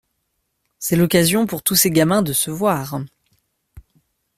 C’est l’occasion pour tous ces gamins de se voir.